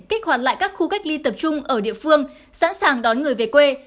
kích hoạt lại các khu cách ly tập trung ở địa phương sẵn sàng đón người về quê